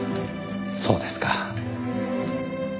そうですか。